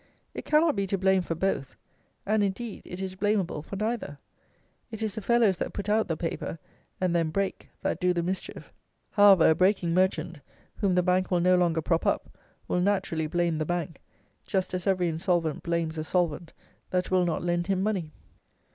It cannot be to blame for both, and, indeed, it is blameable for neither. It is the fellows that put out the paper and then break that do the mischief. However, a breaking merchant, whom the bank will no longer prop up, will naturally blame the bank, just as every insolvent blames a solvent that will not lend him money.